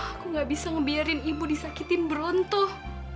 aku gak bisa ngebiarin ibu disakitin beruntuh